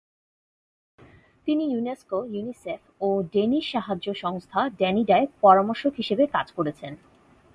তিনি UNESCO, UNICEF ও Danish সাহায্য সংস্থা ড্যানিডায় পরামর্শক হিসেবে কাজ করেছেন।